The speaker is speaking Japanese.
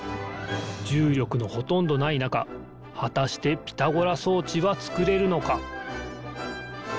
じゅうりょくのほとんどないなかはたしてピタゴラそうちはつくれるのか？